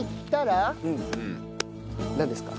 なんですか？